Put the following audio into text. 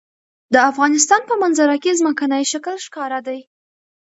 د افغانستان په منظره کې ځمکنی شکل ښکاره دی.